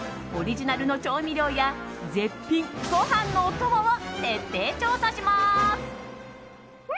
オリジナルの調味料や絶品ご飯のお供を徹底調査します。